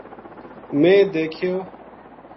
میں دیکھیو